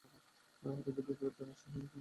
রোধের বিপরীত রাশি হলো পরিবাহিতা বা কন্ডাক্টেন্স।